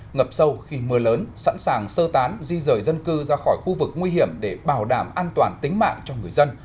ngập sâu khi mưa lớn sẵn sàng sơ tán di rời dân cư ra khỏi khu vực nguy hiểm để bảo đảm an toàn tính mạng cho người dân